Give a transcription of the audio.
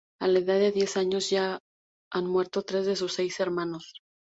A la edad de diez años ya han muerto tres de sus seis hermanos.